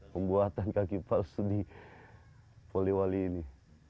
pembuatan kaki palsu di poliwali ini